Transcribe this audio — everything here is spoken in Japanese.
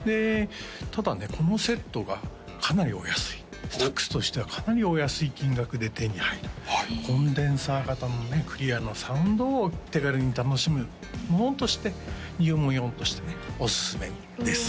ただねこのセットがかなりお安いＳＴＡＸとしてはかなりお安い金額で手に入るコンデンサー型のねクリアなサウンドを手軽に楽しむものとして入門用としてねおすすめです